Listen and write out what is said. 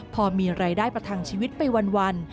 พอมีรายได้ประทังชีวิตไปวัน